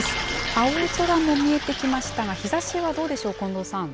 青空も見えてきましたが、日ざしはどうでしょう？